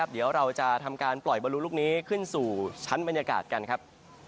เดี๋ยวเราจะทำการปล่อยบอลลูลูกนี้ขึ้นสู่ชั้นบรรยากาศกันครับ